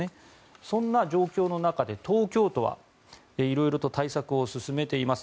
そんな状況の中で東京都は色々と対策を進めています。